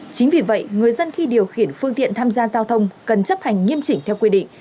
chính vì vậy người dân khi điều khiển phương tiện tham gia giao thông cần chấp hành nghiêm chỉnh theo quy định